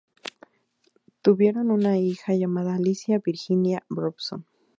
Tuvieron una hija llamada Alicia Virginia Robson.